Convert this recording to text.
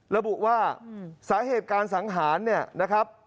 ระบุว่าสาเหตุการสังหารเนี่ยนะครับ